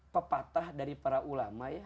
pepatah dari para ulama ya